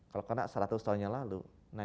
kalau kena seratus tahunnya lalu